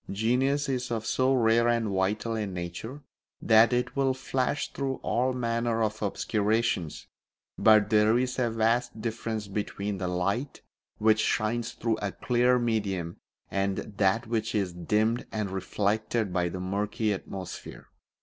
Genius is of so rare and vital a nature that it will flash through all manner of obscurations, but there is a vast difference between the light which shines through a clear medium and that which is dimmed and reflected by a murky atmosphere.